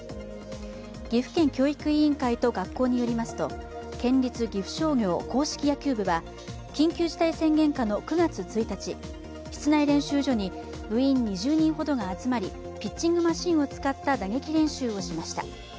岐阜県教育委員会と学校によりますと県立岐阜商業硬式野球部は緊急事態宣言下の９月１日、室内練習場に部員２０人ほどが集まりピッチングマシンを使った打撃練習をしました。